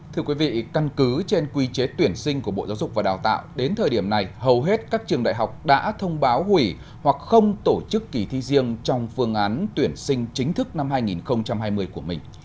thưa quý vị căn cứ trên quy chế tuyển sinh của bộ giáo dục và đào tạo đến thời điểm này hầu hết các trường đại học đã thông báo hủy hoặc không tổ chức kỳ thi riêng trong phương án tuyển sinh chính thức năm hai nghìn hai mươi của mình